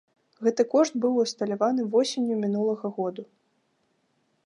Гэты кошт быў усталяваны восенню мінулага году.